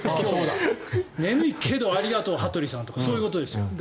眠いけどありがとう羽鳥さんとかそういうことですよ。